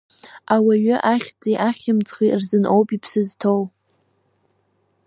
Ауаҩы ахьӡи-ахьымӡӷи рзын ауп иԥсы зҭоу!